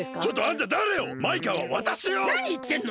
なにいってるの！